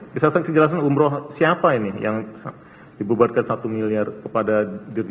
bisa saksi jelaskan umroh siapa ini yang dibubarkan satu miliar kepada dirjen